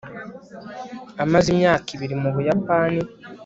amaze imyaka ibiri mu buyapani